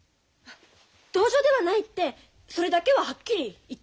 同情ではないってそれだけははっきり言ってくれたわ。